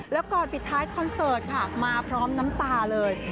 แล้วก่อนปิดท้ายคอนเสิร์ตค่ะมาพร้อมน้ำตาเลย